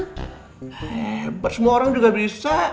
hebat semua orang juga bisa